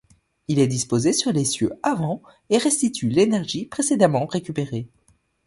Il est disposé sur l'essieu avant et restitue l'énergie précédemment récupérée.